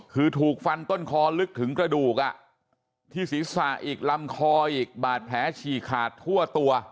คือถูกฟันต้นคอลึกถึงกระดูกที่ศีรษะอีกลำคออีกบาดแผลฉี่ขาดทั่วตัว